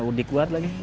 udik banget lagi